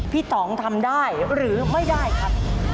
ต่องทำได้หรือไม่ได้ครับ